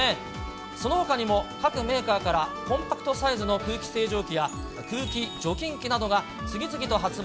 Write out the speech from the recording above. そのほかにも各メーカーからコンパクトサイズの空気清浄機や空気除菌機などが次々と発売。